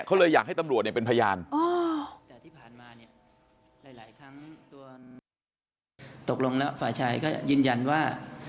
ตกลงแล้วฝ่ายชายก็ยินยันว่า